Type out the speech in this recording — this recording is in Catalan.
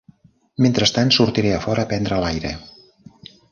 Mentrestant, sortiré fora a prendre l'aire.